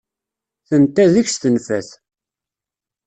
Tenta deg-s tenfa-t.